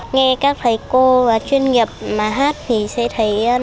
nghe các thầy cô và chuyên nghiệp mà hát